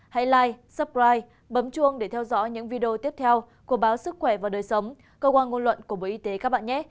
hay live suppride bấm chuông để theo dõi những video tiếp theo của báo sức khỏe và đời sống cơ quan ngôn luận của bộ y tế các bạn nhé